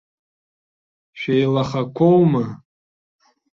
Шәеилахақәоума?